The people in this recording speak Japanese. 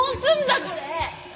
これ。